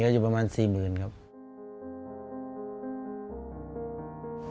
พ่อลูกรู้สึกปวดหัวมาก